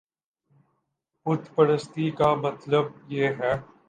بت پرستی کا مطلب یہ ہے